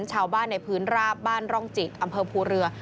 ชาวบ้านในพื้นราบบ้านร่องจิกอำเภอภูเรือ